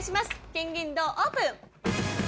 金銀銅オープン！